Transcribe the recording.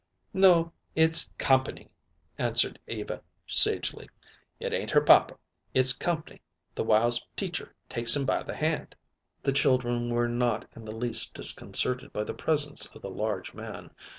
"No. It's comp'ny," answered Eva sagely. "It ain't her papa. It's comp'ny the whiles Teacher takes him by the hand." The children were not in the least disconcerted by the presence of the large man.